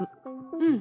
うん。